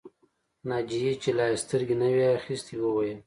ناجيې چې لا يې سترګې نه وې اخيستې وویل